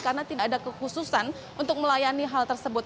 karena tidak ada kekhususan untuk melayani hal tersebut